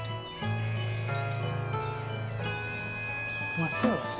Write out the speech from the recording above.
真っ白だね。